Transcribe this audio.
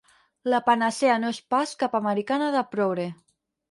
La panacea no és pas cap americana de progre.